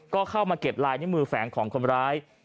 ก็เข้ามาเก็บลายนิ้วมือแฝงของคนร้าย